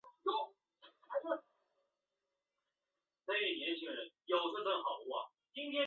而剩下的列车根据合同则由庞巴迪与长春轨道客车的合资公司于国内生产。